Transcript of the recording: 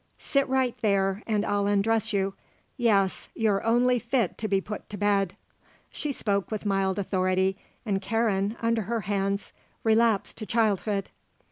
Sit right there and I'll undress you. Yes; you're only fit to be put to bed." She spoke with mild authority, and Karen, under her hands, relapsed to childhood.